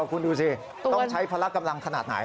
คุณดูสิต้องใช้พละกำลังขนาดไหน